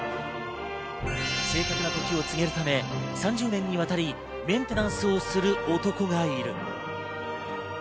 正確な時を告げるため、３０年にわたりメンテナンスをする男がいる。